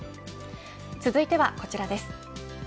続いてはこちらです。